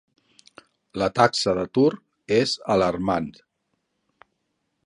La taxa d'atur és alarmant.